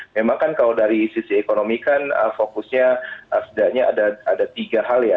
memang kan kalau dari sisi ekonomi kan fokusnya setidaknya ada tiga hal ya